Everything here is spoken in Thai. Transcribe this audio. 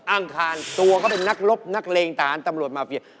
อังคารตัวเขาเป็นนักรบนักเลงทหารตำรวจมาเฟีย